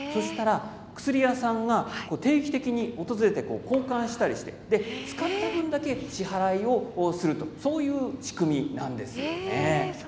薬屋さんが定期的に訪れて交換したりして使った分だけ支払いをするという仕組みなんです。